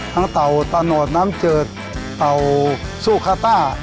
ทั้งเต่าตาโนดน้ำเจิดเต่าซูคาต้า